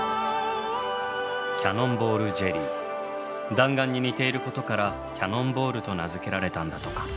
弾丸に似ていることからキャノンボールと名付けられたんだとか。